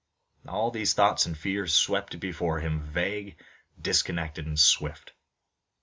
All these thoughts and fears swept before him, vague, disconnected, and swift.